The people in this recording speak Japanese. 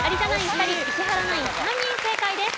２人石原ナイン３人正解です。